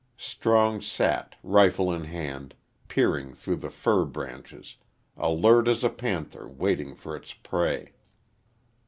Strong sat, rifle in hand, peering through the fir branches alert as a panther waiting for its prey.